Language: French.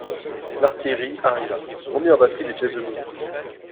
L'artillerie arriva ; on mit en batterie des pièces de douze.